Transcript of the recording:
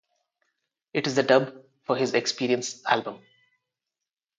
It is the dub for his "Experience" album.